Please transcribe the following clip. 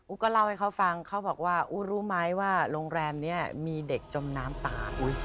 ก็เล่าให้เขาฟังเขาบอกว่าอู้รู้ไหมว่าโรงแรมนี้มีเด็กจมน้ำตาย